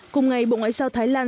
cùng ngày bộ ngoại giao thái lan